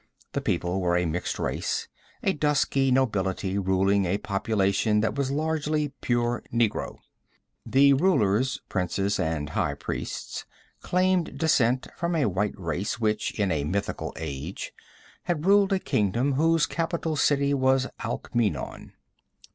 The people were a mixed race, a dusky nobility ruling a population that was largely pure negro. The rulers princes and high priests claimed descent from a white race which, in a mythical age, had ruled a kingdom whose capital city was Alkmeenon.